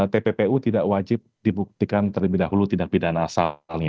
tppu tidak wajib dibuktikan terlebih dahulu tindak pidana asalnya